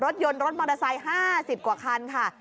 รถยนต์รถมอเตอร์ไซค์๕๐กว่าคันค่ะ